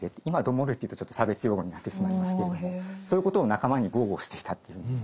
今どもるっていうと差別用語になってしまいますけれどもそういうことを仲間に豪語していたっていう。